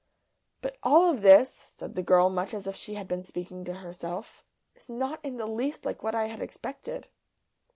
"But all of this," said the girl, much as if she had been speaking to herself, "is not in the least like what I had expected."